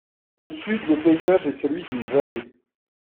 Au sud, le paysage est celui d'une vallée.